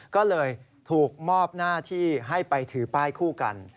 ก็เลยถูกมอบหน้าที่ให้ไปถือป้ายคู่กัน